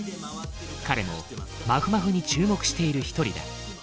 彼もまふまふに注目している一人だ。